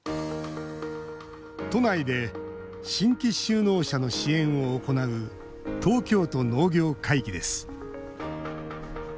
都内で新規就農者の支援を行う東京都農業会議です。